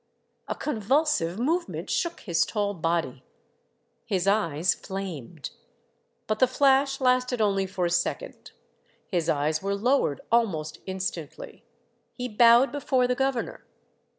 A convulsive movement shook his tall body. His eyes flamed. But the flash lasted only for a second. His eyes were lowered almost instantly; he bowed before the governor.